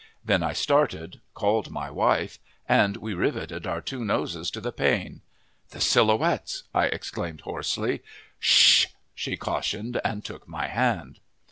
Then I started, called my wife, and we riveted our two noses to the pane. "The Silhouettes!" I exclaimed hoarsely. "Sshh!" she cautioned, and took my hand.